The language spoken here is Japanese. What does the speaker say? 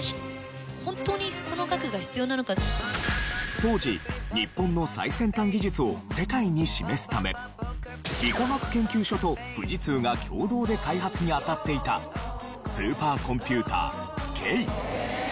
当時日本の最先端技術を世界に示すため理化学研究所と富士通が共同で開発にあたっていたスーパーコンピューター京。